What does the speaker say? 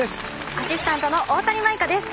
アシスタントの大谷舞風です。